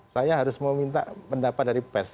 saya harus meminta pendapat dari pers